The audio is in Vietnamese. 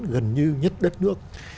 gần như nhất đất nước